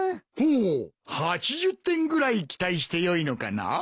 ほお８０点ぐらい期待してよいのかな？